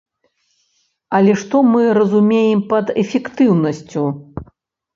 Але што мы разумеем пад эфектыўнасцю?